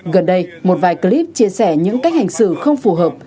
gần đây một vài clip chia sẻ những cách hành xử không phù hợp